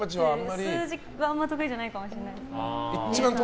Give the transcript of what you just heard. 数字はあまり得意じゃないかもしれないです。